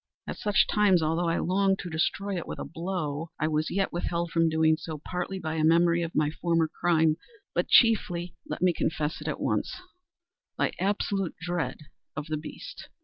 At such times, although I longed to destroy it with a blow, I was yet withheld from so doing, partly by a memory of my former crime, but chiefly—let me confess it at once—by absolute dread of the beast.